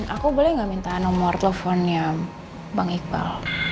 aku boleh nggak minta nomor teleponnya bang iqbal